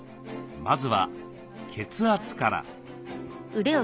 まずは血圧から。